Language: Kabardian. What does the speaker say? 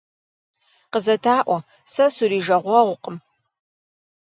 Къызэдаӏуэ, сэ сурижагъуэгъукъым.